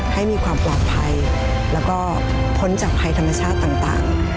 ให้มีความปลอดภัยแล้วก็พ้นจากภัยธรรมชาติต่าง